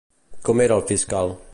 Com era el fiscal?